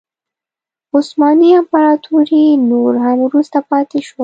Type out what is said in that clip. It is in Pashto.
عثماني امپراتوري نور هم وروسته پاتې شول.